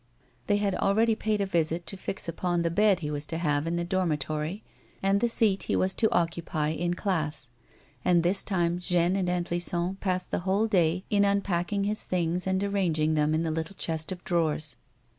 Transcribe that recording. They had already paid a visit to fix upon the bed he was to have in the dormitory and the seat he was to occupy in class, and this time Jeanne and Aunt Lison passed the whole day in unpacking his things and arranging them in the little chest of drawers.